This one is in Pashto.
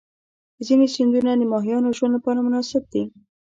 ځینې سیندونه د ماهیانو ژوند لپاره مناسب دي.